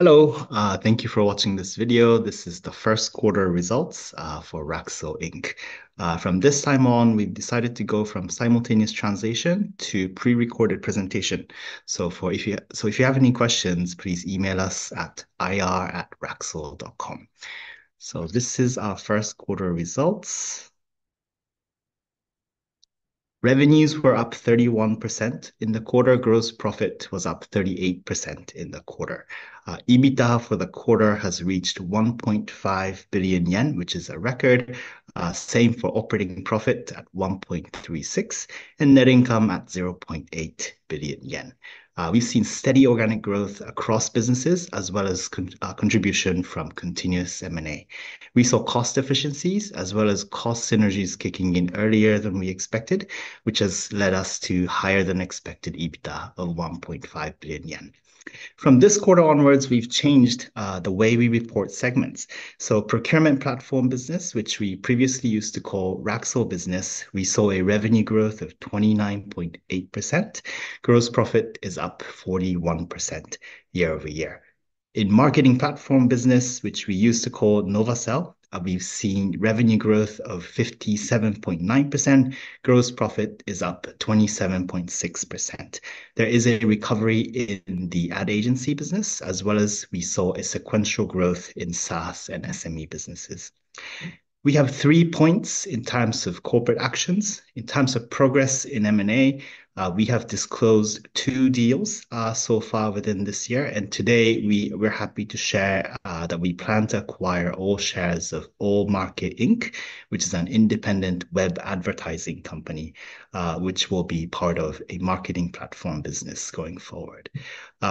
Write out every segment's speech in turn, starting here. Hello, thank you for watching this video. This is the first quarter results for Raksul Inc. From this time on, we've decided to go from simultaneous translation to pre-recorded presentation, so if you have any questions, please email us at ir@raksul.com, so this is our first quarter results. Revenues were up 31% in the quarter, gross profit was up 38% in the quarter. EBITDA for the quarter has reached 1.5 billion yen, which is a record. Same for operating profit at 1.36 and net income at 0.8 billion yen. We've seen steady organic growth across businesses, as well as contribution from continuous M&A. We saw cost efficiencies, as well as cost synergies kicking in earlier than we expected, which has led us to higher than expected EBITDA of 1.5 billion yen. From this quarter onwards, we've changed the way we report segments. Procurement platform business, which we previously used to call Raksul business, we saw a revenue growth of 29.8%. Gross profit is up 41% year over year. In marketing platform business, which we used to call Novasell, we've seen revenue growth of 57.9%. Gross profit is up 27.6%. There is a recovery in the ad agency business, as well as we saw a sequential growth in SaaS and SME businesses. We have three points in terms of corporate actions. In terms of progress in M&A, we have disclosed two deals so far within this year. And today, we're happy to share that we plan to acquire all shares of All Market Inc., which is an independent web advertising company, which will be part of a marketing platform business going forward.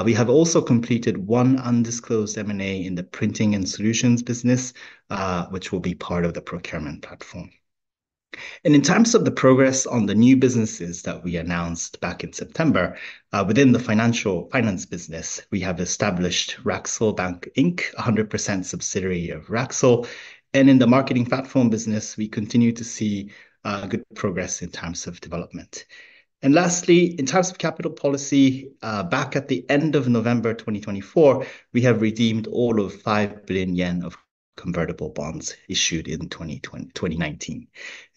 We have also completed one undisclosed M&A in the printing and solutions business, which will be part of the procurement platform. And in terms of the progress on the new businesses that we announced back in September, within the financial finance business, we have established Raksul Bank Inc., 100% subsidiary of Raksul. And in the marketing platform business, we continue to see good progress in terms of development. And lastly, in terms of capital policy, back at the end of November 2024, we have redeemed all of 5 billion yen of convertible bonds issued in 2019.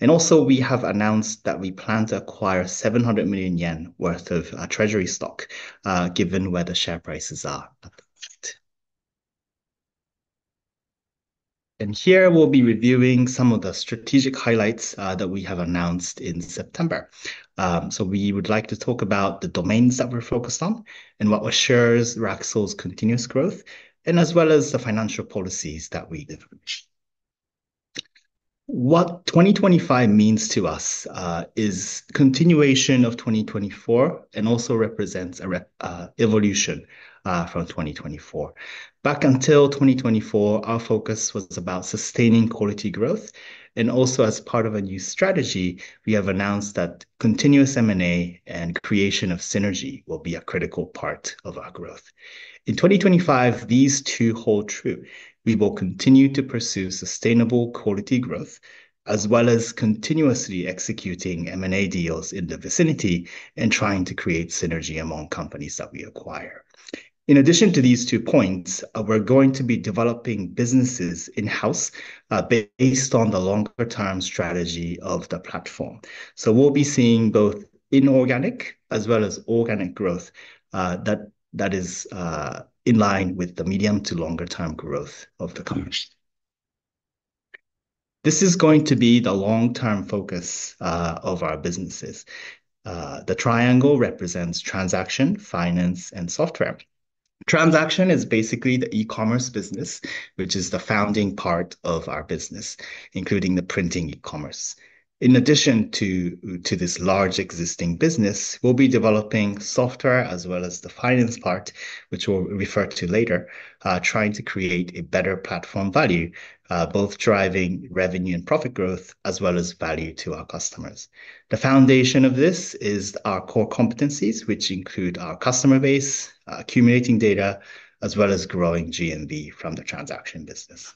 And also, we have announced that we plan to acquire 700 million yen worth of treasury stock, given where the share prices are at the moment. And here, we'll be reviewing some of the strategic highlights that we have announced in September. We would like to talk about the domains that we're focused on and what assures Raksul's continuous growth, and as well as the financial policies that we've mentioned. What 2025 means to us is continuation of 2024 and also represents an evolution from 2024. Back until 2024, our focus was about sustaining quality growth. Also, as part of a new strategy, we have announced that continuous M&A and creation of synergy will be a critical part of our growth. In 2025, these two hold true. We will continue to pursue sustainable quality growth, as well as continuously executing M&A deals in the vicinity and trying to create synergy among companies that we acquire. In addition to these two points, we're going to be developing businesses in-house based on the longer-term strategy of the platform. So we'll be seeing both inorganic as well as organic growth that is in line with the medium to longer-term growth of the company. This is going to be the long-term focus of our businesses. The triangle represents transaction, finance, and software. Transaction is basically the e-commerce business, which is the founding part of our business, including the printing e-commerce. In addition to this large existing business, we'll be developing software as well as the finance part, which we'll refer to later, trying to create a better platform value, both driving revenue and profit growth, as well as value to our customers. The foundation of this is our core competencies, which include our customer base, accumulating data, as well as growing GMV from the transaction business.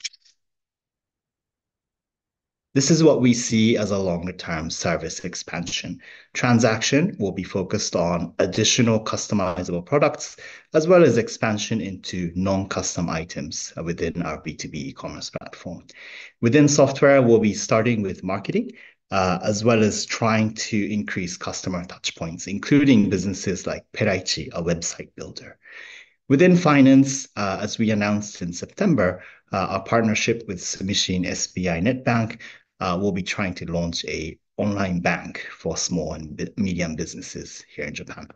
This is what we see as a longer-term service expansion. Transaction will be focused on additional customizable products, as well as expansion into non-custom items within our B2B e-commerce platform. Within software, we'll be starting with marketing, as well as trying to increase customer touchpoints, including businesses like Peraichi, a website builder. Within finance, as we announced in September, our partnership with SBI Sumishin Net Bank will be trying to launch an online bank for small and medium businesses here in Japan,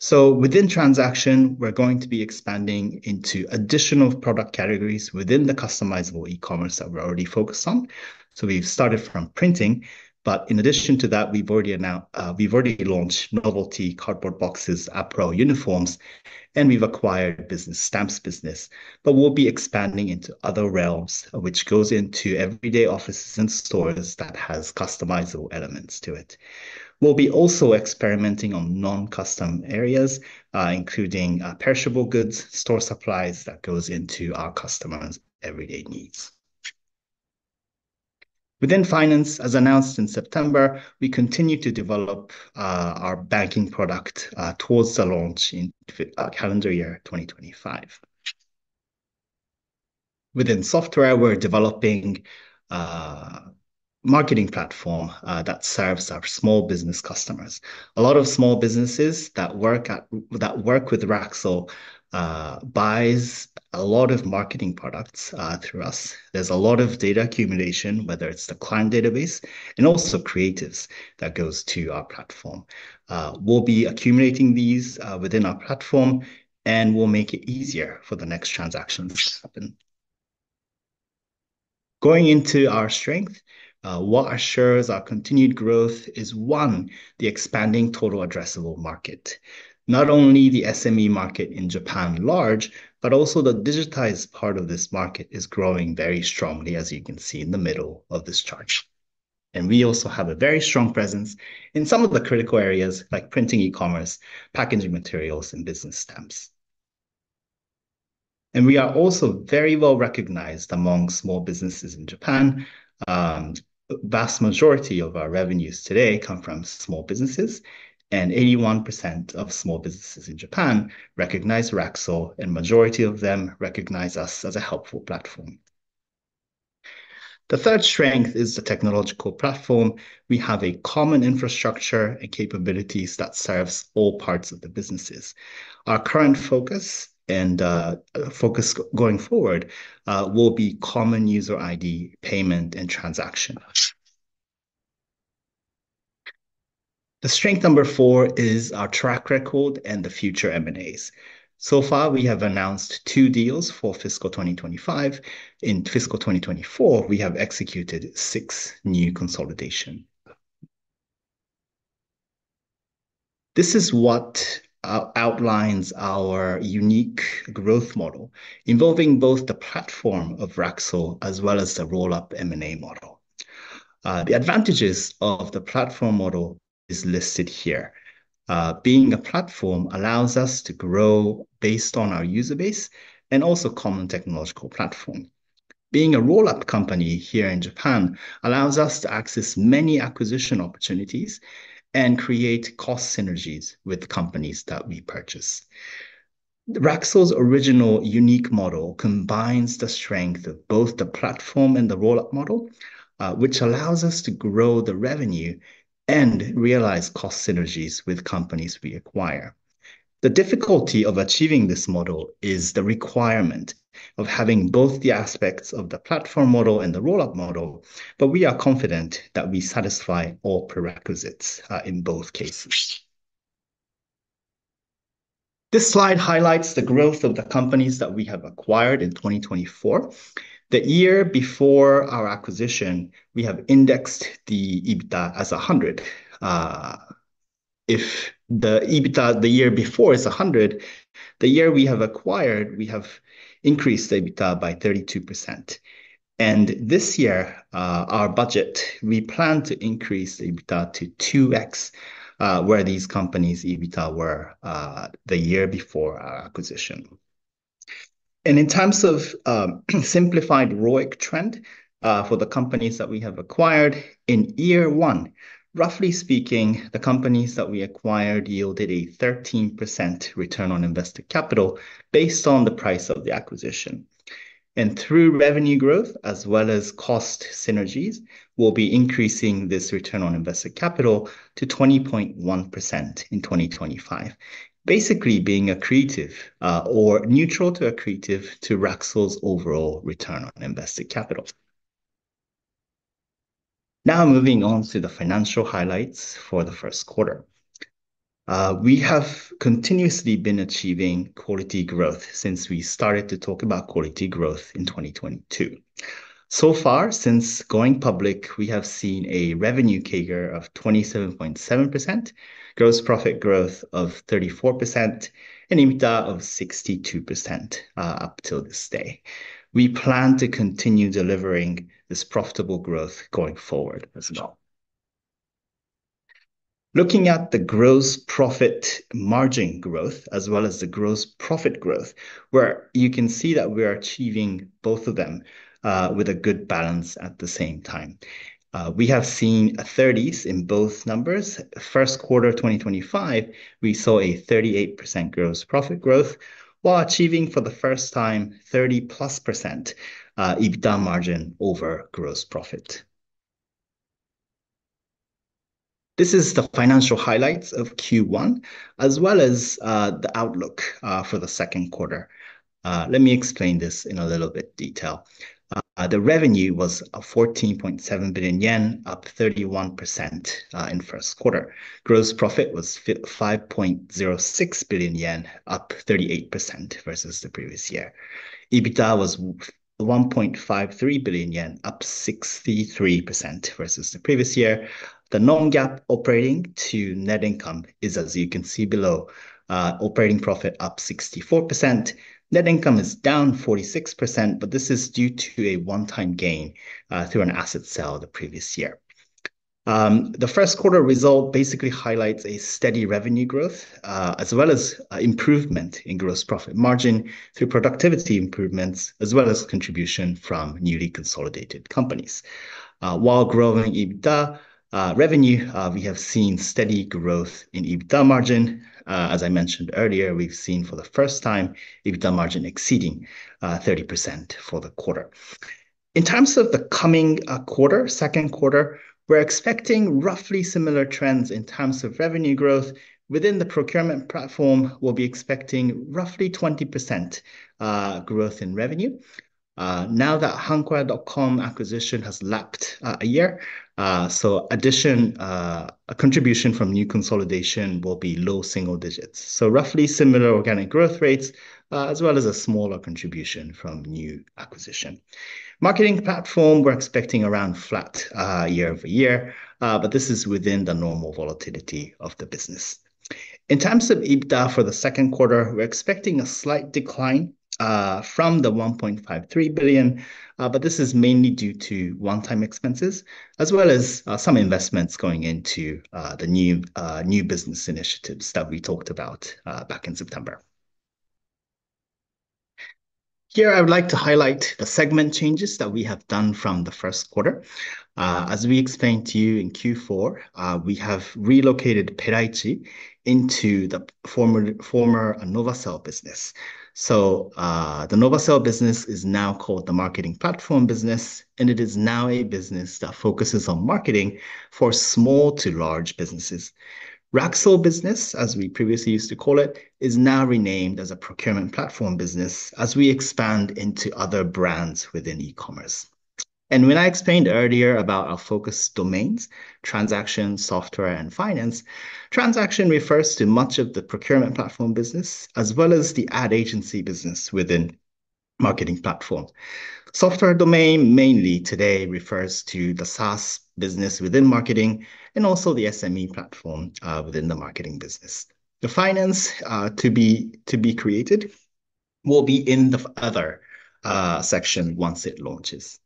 so within transaction, we're going to be expanding into additional product categories within the customizable e-commerce that we're already focused on, so we've started from printing, but in addition to that, we've already launched novelty cardboard boxes, apparel uniforms, and we've acquired a business stamps business, but we'll be expanding into other realms, which goes into everyday offices and stores that has customizable elements to it. We'll be also experimenting on non-custom areas, including perishable goods, store supplies that go into our customers' everyday needs. Within finance, as announced in September, we continue to develop our banking product towards the launch in calendar year 2025. Within software, we're developing a marketing platform that serves our small business customers. A lot of small businesses that work with Raksul buy a lot of marketing products through us. There's a lot of data accumulation, whether it's the client database and also creatives that go to our platform. We'll be accumulating these within our platform, and we'll make it easier for the next transactions to happen. Going into our strength, what assures our continued growth is, one, the expanding total addressable market. Not only the SME market in Japan large, but also the digitized part of this market is growing very strongly, as you can see in the middle of this chart. And we also have a very strong presence in some of the critical areas like printing e-commerce, packaging materials, and business stamps. And we are also very well recognized among small businesses in Japan. The vast majority of our revenues today come from small businesses, and 81% of small businesses in Japan recognize Raksul, and the majority of them recognize us as a helpful platform. The third strength is the technological platform. We have a common infrastructure and capabilities that serves all parts of the businesses. Our current focus and focus going forward will be common user ID, payment, and transaction. The strength number four is our track record and the future M&As. So far, we have announced two deals for fiscal 2025. In fiscal 2024, we have executed six new consolidations. This is what outlines our unique growth model, involving both the platform of Raksul as well as the roll-up M&A model. The advantages of the platform model are listed here. Being a platform allows us to grow based on our user base and also a common technological platform. Being a roll-up company here in Japan allows us to access many acquisition opportunities and create cost synergies with companies that we purchase. Raksul's original unique model combines the strength of both the platform and the roll-up model, which allows us to grow the revenue and realize cost synergies with companies we acquire. The difficulty of achieving this model is the requirement of having both the aspects of the platform model and the roll-up model, but we are confident that we satisfy all prerequisites in both cases. This slide highlights the growth of the companies that we have acquired in 2024. The year before our acquisition, we have indexed the EBITDA as 100. If the EBITDA the year before is 100, the year we have acquired, we have increased EBITDA by 32%. And in terms of simplified ROIC trend for the companies that we have acquired in year one, roughly speaking, the companies that we acquired yielded a 13% return on invested capital based on the price of the acquisition. Through revenue growth, as well as cost synergies, we'll be increasing this return on invested capital to 20.1% in 2025, basically being an accretive or neutral to an accretive to Raksul's overall return on invested capital. Now, moving on to the financial highlights for the first quarter. We have continuously been achieving quality growth since we started to talk about quality growth in 2022. So far, since going public, we have seen a revenue CAGR of 27.7%, gross profit growth of 34%, and EBITDA of 62% up till this day. We plan to continue delivering this profitable growth going forward as well. Looking at the gross profit margin growth, as well as the gross profit growth, where you can see that we are achieving both of them with a good balance at the same time. We have seen a 30s in both numbers. First quarter 2025, we saw a 38% gross profit growth, while achieving for the first time 30+ % EBITDA margin over gross profit. This is the financial highlights of Q1, as well as the outlook for the second quarter. Let me explain this in a little bit detail. The revenue was 14.7 billion yen, up 31% in first quarter. Gross profit was 5.06 billion yen, up 38% versus the previous year. EBITDA was 1.53 billion yen, up 63% versus the previous year. The Non-GAAP operating to net income is, as you can see below, operating profit up 64%. Net income is down 46%, but this is due to a one-time gain through an asset sale the previous year. The first quarter result basically highlights a steady revenue growth, as well as improvement in gross profit margin through productivity improvements, as well as contribution from newly consolidated companies. While growing EBITDA revenue, we have seen steady growth in EBITDA margin. As I mentioned earlier, we've seen for the first time EBITDA margin exceeding 30% for the quarter. In terms of the coming quarter, second quarter, we're expecting roughly similar trends in terms of revenue growth. Within the procurement platform, we'll be expecting roughly 20% growth in revenue. Now that Hankoya.com acquisition has lapped a year, so addition, a contribution from new consolidation will be low single digits. So roughly similar organic growth rates, as well as a smaller contribution from new acquisition. Marketing platform, we're expecting around flat year over year, but this is within the normal volatility of the business. In terms of EBITDA for the second quarter, we're expecting a slight decline from 1.53 billion, but this is mainly due to one-time expenses, as well as some investments going into the new business initiatives that we talked about back in September. Here, I would like to highlight the segment changes that we have done from the first quarter. As we explained to you in Q4, we have relocated Peraichi into the former Novasell business. So the Novasell business is now called the marketing platform business, and it is now a business that focuses on marketing for small to large businesses. Raksul business, as we previously used to call it, is now renamed as a procurement platform business as we expand into other brands within e-commerce. And when I explained earlier about our focus domains, transaction, software, and finance, transaction refers to much of the procurement platform business, as well as the ad agency business within marketing platform. Software domain mainly today refers to the SaaS business within marketing and also the SME platform within the marketing business. The finance to be created will be in the other section once it launches.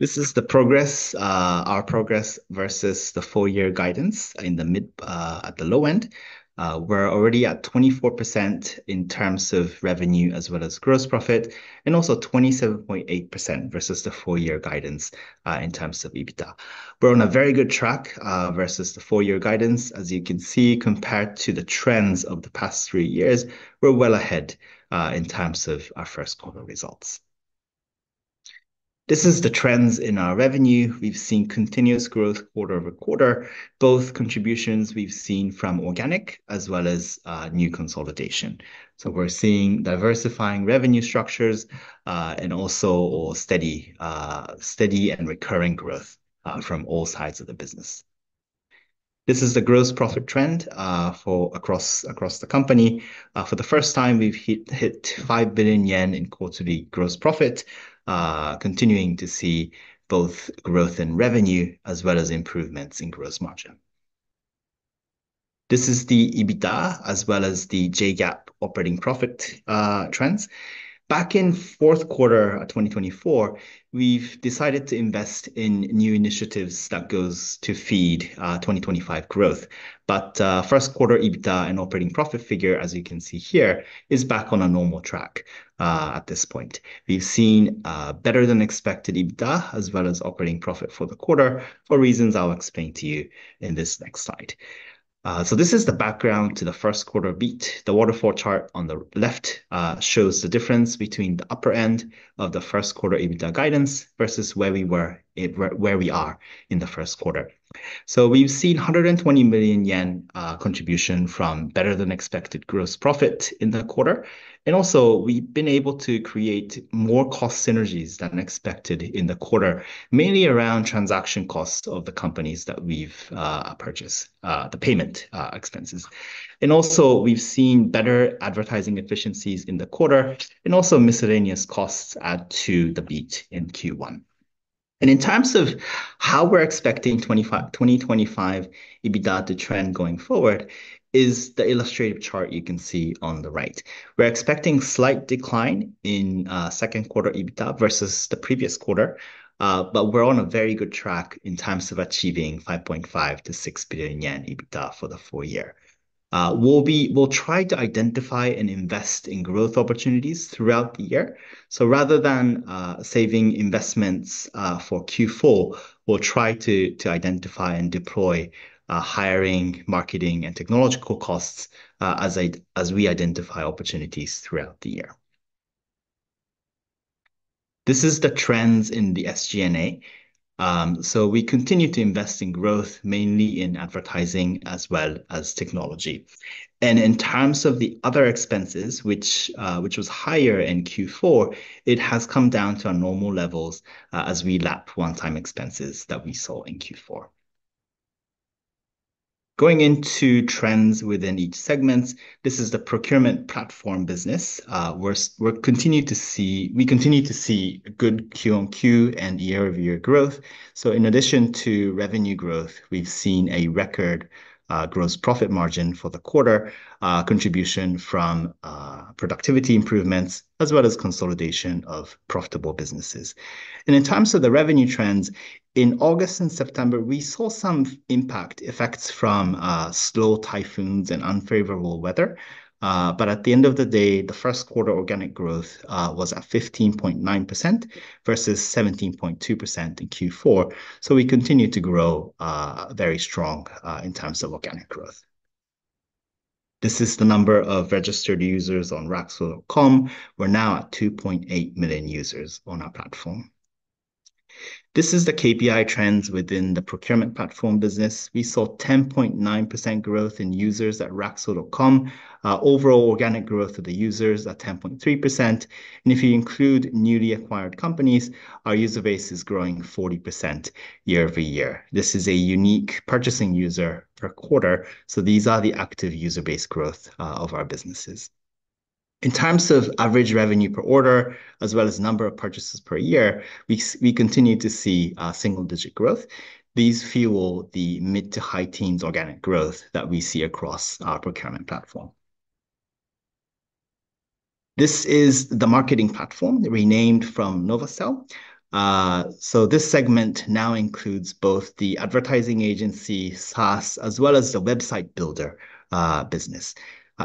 This is the progress, our progress versus the four-year guidance in the mid at the low end. We're already at 24% in terms of revenue as well as gross profit, and also 27.8% versus the four-year guidance in terms of EBITDA. We're on a very good track versus the four-year guidance. As you can see, compared to the trends of the past three years, we're well ahead in terms of our first quarter results. This is the trends in our revenue. We've seen continuous growth quarter over quarter, both contributions we've seen from organic as well as new consolidation. So we're seeing diversifying revenue structures and also steady and recurring growth from all sides of the business. This is the gross profit trend across the company. For the first time, we've hit 5 billion yen in quarterly gross profit, continuing to see both growth in revenue as well as improvements in gross margin. This is the EBITDA as well as the J-GAAP operating profit trends. Back in fourth quarter 2024, we've decided to invest in new initiatives that go to feed 2025 growth. But first quarter EBITDA and operating profit figure, as you can see here, is back on a normal track at this point. We've seen better than expected EBITDA as well as operating profit for the quarter for reasons I'll explain to you in this next slide. So this is the background to the first quarter beat. The waterfall chart on the left shows the difference between the upper end of the first quarter EBITDA guidance versus where we are in the first quarter. So we've seen 120 million yen contribution from better than expected gross profit in the quarter. And also, we've been able to create more cost synergies than expected in the quarter, mainly around transaction costs of the companies that we've purchased, the payment expenses. And also, we've seen better advertising efficiencies in the quarter, and also miscellaneous costs add to the beat in Q1. And in terms of how we're expecting 2025 EBITDA to trend going forward, is the illustrative chart you can see on the right. We're expecting a slight decline in second quarter EBITDA versus the previous quarter, but we're on a very good track in terms of achieving 5.5 billion-6 billion yen EBITDA for the full year. We'll try to identify and invest in growth opportunities throughout the year. So rather than saving investments for Q4, we'll try to identify and deploy hiring, marketing, and technological costs as we identify opportunities throughout the year. This is the trends in the SG&A. So we continue to invest in growth, mainly in advertising as well as technology. And in terms of the other expenses, which was higher in Q4, it has come down to our normal levels as we lapped one-time expenses that we saw in Q4. Going into trends within each segment, this is the procurement platform business. We continue to see good Q on Q and year-over-year growth. So in addition to revenue growth, we've seen a record gross profit margin for the quarter, contribution from productivity improvements, as well as consolidation of profitable businesses. And in terms of the revenue trends, in August and September, we saw some impact effects from slow typhoons and unfavorable weather. But at the end of the day, the first quarter organic growth was at 15.9% versus 17.2% in Q4. So we continue to grow very strong in terms of organic growth. This is the number of registered users on Raksul.com. We're now at 2.8 million users on our platform. This is the KPI trends within the procurement platform business. We saw 10.9% growth in users at Raksul.com. Overall organic growth of the users at 10.3%. And if you include newly acquired companies, our user base is growing 40% year over year. This is a unique purchasing user per quarter. So these are the active user base growth of our businesses. In terms of average revenue per order, as well as number of purchases per year, we continue to see single-digit growth. These fuel the mid to high teens organic growth that we see across our procurement platform. This is the marketing platform renamed from Novasell. So this segment now includes both the advertising agency, SaaS, as well as the website builder business.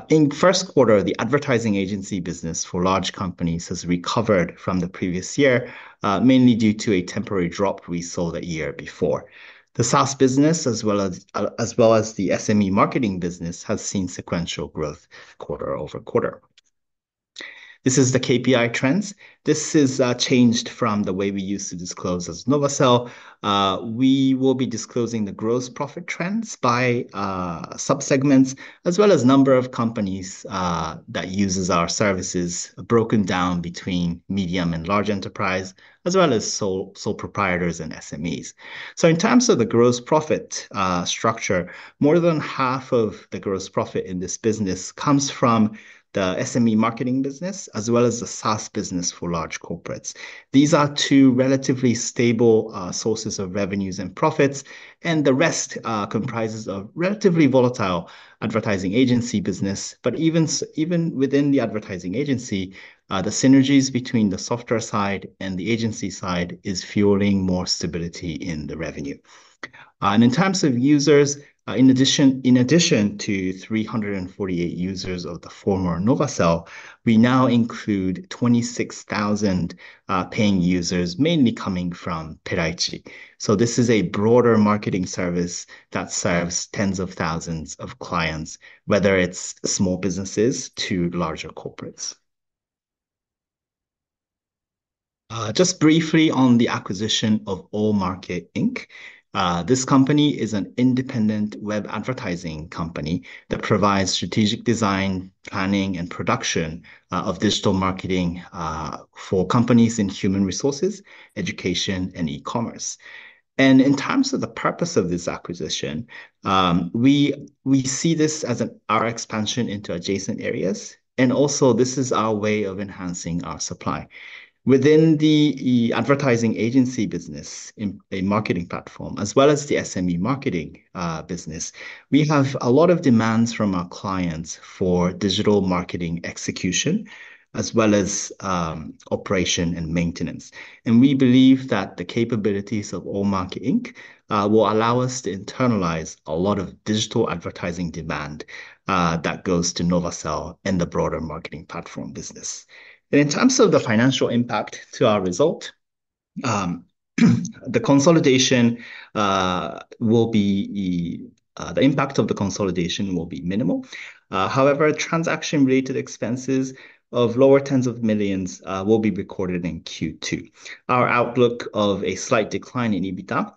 In first quarter, the advertising agency business for large companies has recovered from the previous year, mainly due to a temporary drop we saw the year before. The SaaS business, as well as the SME marketing business, has seen sequential growth quarter over quarter. This is the KPI trends. This is changed from the way we used to disclose as Novasell. We will be disclosing the gross profit trends by subsegments, as well as number of companies that use our services broken down between medium and large enterprise, as well as sole proprietors and SMEs. So in terms of the gross profit structure, more than half of the gross profit in this business comes from the SME marketing business, as well as the SaaS business for large corporates. These are two relatively stable sources of revenues and profits, and the rest comprises of relatively volatile advertising agency business. But even within the advertising agency, the synergies between the software side and the agency side are fueling more stability in the revenue. And in terms of users, in addition to 348 users of the former Novasell, we now include 26,000 paying users, mainly coming from Peraichi. This is a broader marketing service that serves tens of thousands of clients, whether it's small businesses to larger corporates. Just briefly on the acquisition of All Market Inc. This company is an independent web advertising company that provides strategic design, planning, and production of digital marketing for companies in human resources, education, and e-commerce. In terms of the purpose of this acquisition, we see this as our expansion into adjacent areas. Also, this is our way of enhancing our supply. Within the advertising agency business, a marketing platform, as well as the SME marketing business, we have a lot of demands from our clients for digital marketing execution, as well as operation and maintenance. We believe that the capabilities of All Market Inc. will allow us to internalize a lot of digital advertising demand that goes to Novasell and the broader marketing platform business. And in terms of the financial impact to our result, the impact of the consolidation will be minimal. However, transaction-related expenses of JPY lower tens of millions will be recorded in Q2. Our outlook of a slight decline in EBITDA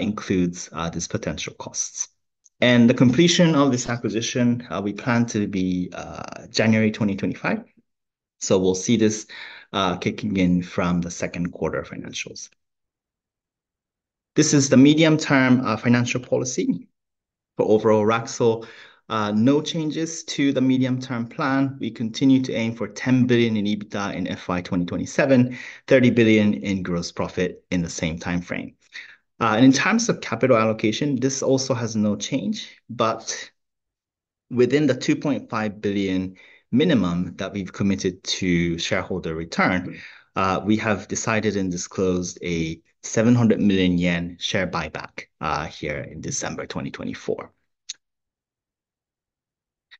includes these potential costs. And the completion of this acquisition, we plan to be January 2025. So we'll see this kicking in from the second quarter financials. This is the medium-term financial policy for overall Raksul. No changes to the medium-term plan. We continue to aim for 10 billion in EBITDA in FY 2027, 30 billion in gross profit in the same time frame. And in terms of capital allocation, this also has no change. But within the 2.5 billion minimum that we've committed to shareholder return, we have decided and disclosed a 700 million yen share buyback here in December 2024.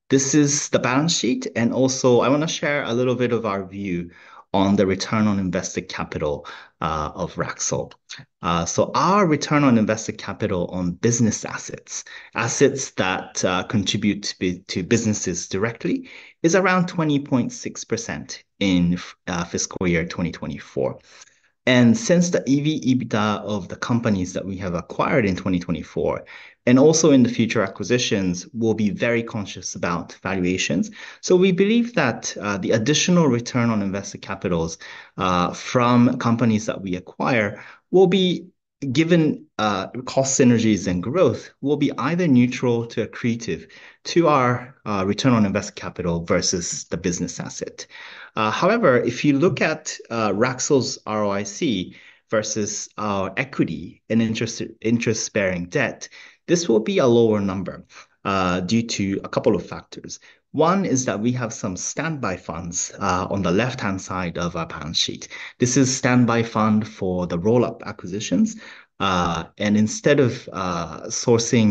This is the balance sheet. And also, I want to share a little bit of our view on the return on invested capital of Raksul. So our return on invested capital on business assets, assets that contribute to businesses directly, is around 20.6% in fiscal year 2024. And since the EV/EBITDA of the companies that we have acquired in 2024, and also in the future acquisitions, we'll be very conscious about valuations. So we believe that the additional return on invested capitals from companies that we acquire will be given cost synergies and growth will be either neutral to accretive to our return on invested capital versus the business asset. However, if you look at Raksul's ROIC versus our equity and interest-bearing debt, this will be a lower number due to a couple of factors. One is that we have some standby funds on the left-hand side of our balance sheet. This is a standby fund for the roll-up acquisitions. And instead of sourcing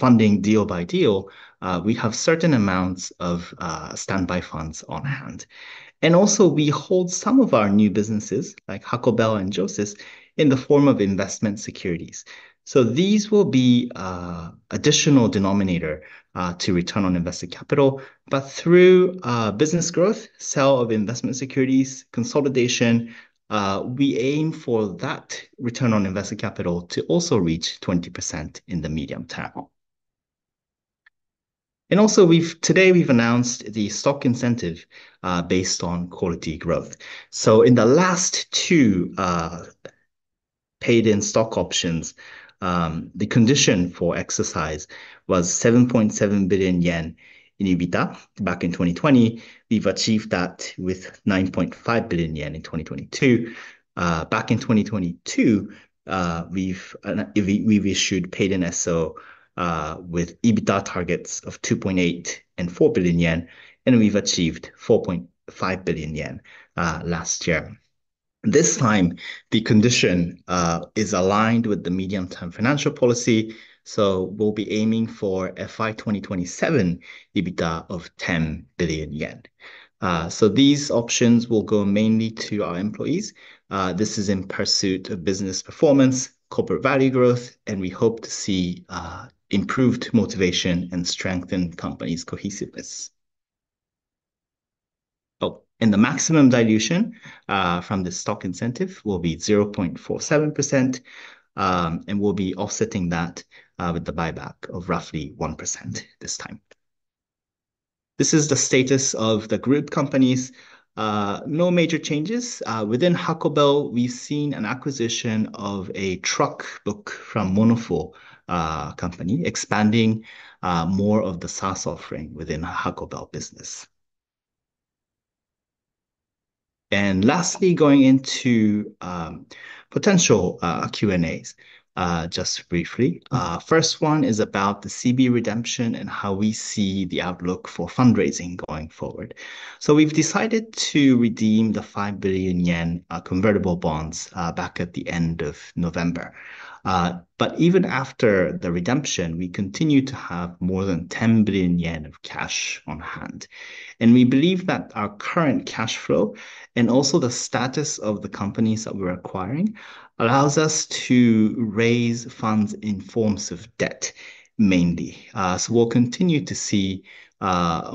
funding deal by deal, we have certain amounts of standby funds on hand. And also, we hold some of our new businesses like Hacobell and Josys in the form of investment securities. So these will be an additional denominator to return on invested capital. But through business growth, sale of investment securities, consolidation, we aim for that return on invested capital to also reach 20% in the medium term. And also, today, we've announced the stock incentive based on quality growth. So in the last two paid-in stock options, the condition for exercise was 7.7 billion yen in EBITDA back in 2020. We've achieved that with 9.5 billion yen in 2022. Back in 2022, we've issued paid-in SO with EBITDA targets of 2.8 billion and 4 billion yen. And we've achieved 4.5 billion yen last year. This time, the condition is aligned with the medium-term financial policy. So we'll be aiming for FY 2027 EBITDA of 10 billion yen. So these options will go mainly to our employees. This is in pursuit of business performance, corporate value growth, and we hope to see improved motivation and strengthened companies' cohesiveness. Oh, and the maximum dilution from the stock incentive will be 0.47%. And we'll be offsetting that with the buyback of roughly 1% this time. This is the status of the group companies. No major changes. Within Hacobell, we've seen an acquisition of TruckBook from Monoful company expanding more of the SaaS offering within Hacobell business. And lastly, going into potential Q&As just briefly, the first one is about the CB redemption and how we see the outlook for fundraising going forward. We've decided to redeem the 5 billion yen convertible bonds back at the end of November. Even after the redemption, we continue to have more than 10 billion yen of cash on hand. We believe that our current cash flow and also the status of the companies that we're acquiring allows us to raise funds in forms of debt mainly. We'll continue to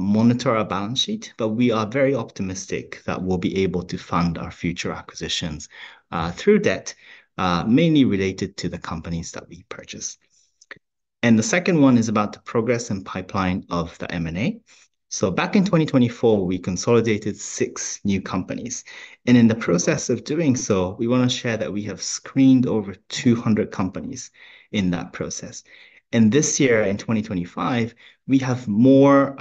monitor our balance sheet, but we are very optimistic that we'll be able to fund our future acquisitions through debt, mainly related to the companies that we purchase. The second one is about the progress and pipeline of the M&A. Back in 2024, we consolidated six new companies. In the process of doing so, we want to share that we have screened over 200 companies in that process. This year, in 2025, we have more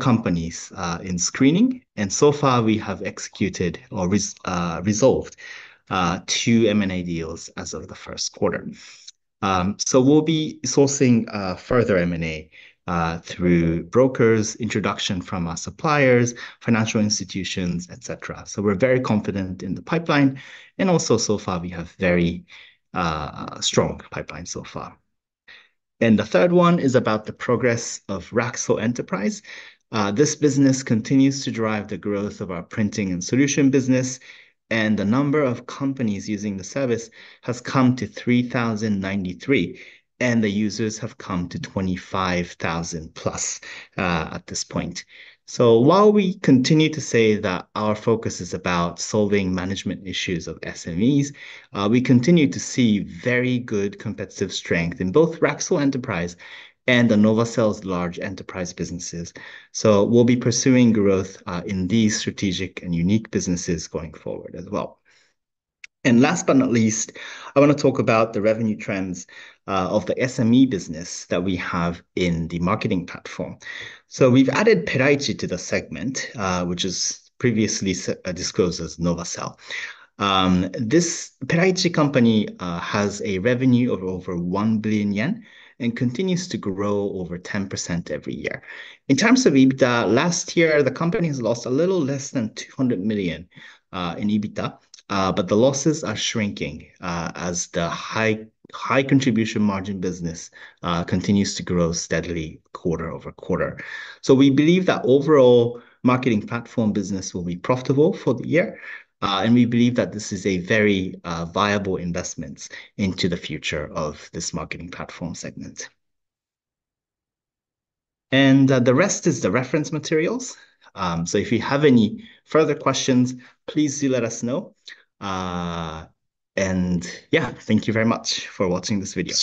companies in screening. And so far, we have executed or resolved two M&A deals as of the first quarter. So we'll be sourcing further M&A through brokers, introduction from our suppliers, financial institutions, etc. So we're very confident in the pipeline. And also, so far, we have a very strong pipeline so far. And the third one is about the progress of Raksul Enterprise. This business continues to drive the growth of our printing and solution business. And the number of companies using the service has come to 3,093. And the users have come to 25,000 plus at this point. So while we continue to say that our focus is about solving management issues of SMEs, we continue to see very good competitive strength in both Raksul Enterprise and the Novasell’s large enterprise businesses. So we'll be pursuing growth in these strategic and unique businesses going forward as well. And last but not least, I want to talk about the revenue trends of the SME business that we have in the marketing platform. So we've added Peraichi to the segment, which was previously disclosed as Novasell. This Peraichi company has a revenue of over 1 billion yen and continues to grow over 10% every year. In terms of EBITDA, last year, the company has lost a little less than 200 million JPY in EBITDA, but the losses are shrinking as the high contribution margin business continues to grow steadily quarter over quarter. So we believe that overall marketing platform business will be profitable for the year. And we believe that this is a very viable investment into the future of this marketing platform segment. And the rest is the reference materials. So if you have any further questions, please do let us know. Yeah, thank you very much for watching this video.